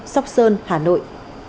sóc sơn hà nội